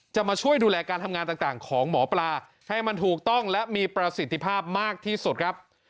จะมาช่วยดูแลการทำงานต่างของหมอปลาให้มันถูกต้องและมีประสิทธิภาพมากที่สุดครับ